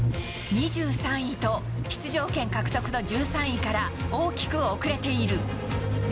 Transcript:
２３位と、出場権獲得の１３位から大きく遅れている。